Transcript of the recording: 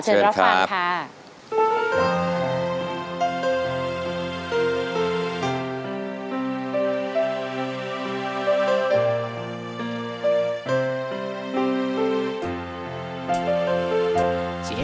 เชิญรับฟังค่ะเชิญครับ